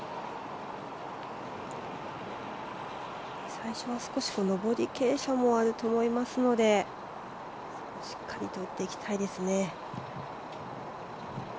最初は少し上り傾斜もあると思いますのでしっかりと打っていきたいですね。